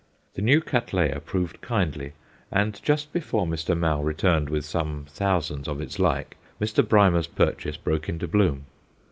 The new Cattleya proved kindly, and just before Mr. Mau returned with some thousands of its like Mr. Brymer's purchase broke into bloom.